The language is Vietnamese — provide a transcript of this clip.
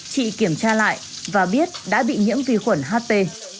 chị kiểm tra lại và biết đã bị nhiễm vì khuẩn hp